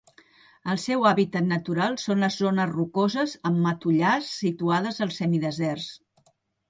El seu hàbitat natural són les zones rocoses amb matollars situades als semideserts.